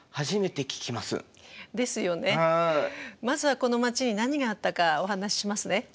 まずはこの街に何があったかお話ししますね。